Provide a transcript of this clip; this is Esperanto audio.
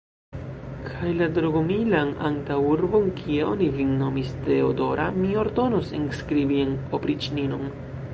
Kaj la Dorogomilan antaŭurbon, kie oni vin nomis Teodora, mi ordonos enskribi en opriĉninon!